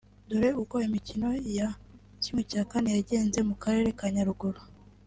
Dore uko imikino ya ¼ yagenze mu karere ka Nyaruguru